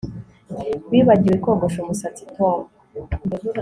Wibagiwe kogosha umusatsi Tom